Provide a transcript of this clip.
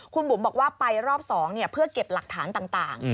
คุณบุ๋มบอกว่าไปรอบ๒เพื่อเก็บหลักฐานต่าง